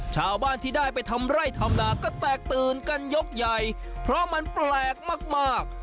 ชาวบ้านที่ได้ไปทำไร่ทำนาก็แตกตื่นกันยกใหญ่เพราะมันแปลกมาก